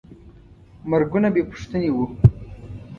مرګونه بېپوښتنې وو.